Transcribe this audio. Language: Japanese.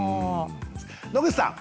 野口さん。